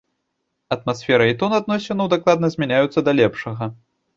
Атмасфера і тон адносінаў дакладна змяняюцца да лепшага.